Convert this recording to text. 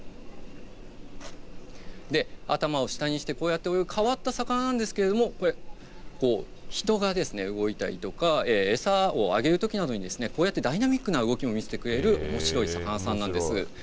で、頭を下にしてこうやって泳ぐ変わった魚なんですが人が動いたりとか餌をあげるときなどにこうやってダイナミックな動きも見せてくれるおもしろい魚さんなんです。